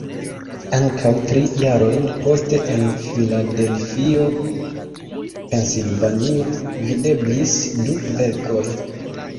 Ankaŭ tri jarojn poste en Filadelfio (Pensilvanio) videblis du verkoj.